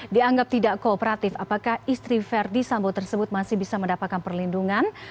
dianggap tidak kooperatif apakah istri verdi sambo tersebut masih bisa mendapatkan perlindungan